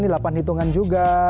nah ini delapan hitungan juga